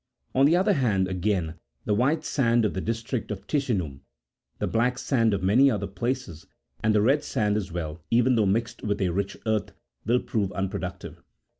On the other hand, again, the white sand of the district of Ticinum, the black sand of many other places, and the red sand as well, even though mixed with a rich earth, will prove unproductive.